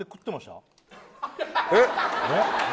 えっ？